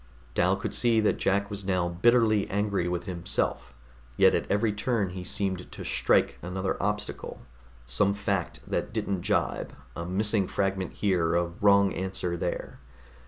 Dal could see that Jack was now bitterly angry with himself, yet at every turn he seemed to strike another obstacle some fact that didn't jibe, a missing fragment here, a wrong answer there.